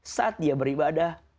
saat dia beribadah